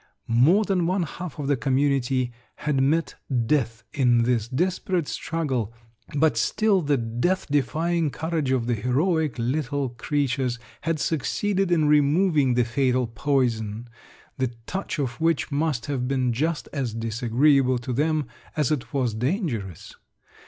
More than one half of the community had met death in this desperate struggle, but still the death defying courage of the heroic little creatures had succeeded in removing the fatal poison, the touch of which must have been just as disagreeable to them as it was dangerous.